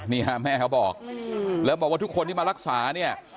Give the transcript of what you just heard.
นี่ค่ะแม่เขาบอกแล้วบอกว่าทุกคนที่มารักษาเนี่ย